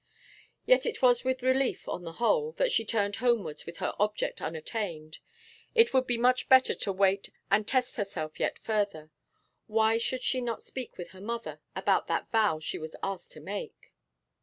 Yet it was with relief, on the whole, that she turned homewards with her object unattained. It would be much better to wait and test herself yet further. Why should she not speak with her mother about that vow she was asked to make?